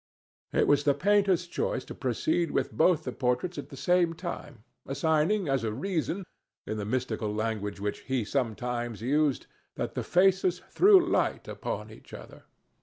It was the painter's choice to proceed with both the portraits at the same time, assigning as a reason, in the mystical language which he sometimes used, that the faces threw light upon each other.